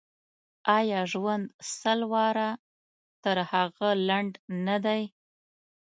آیا ژوند سل واره تر هغه لنډ نه دی.